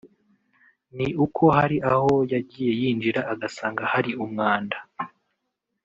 ni uko hari aho yagiye yinjira agasanga hari umwanda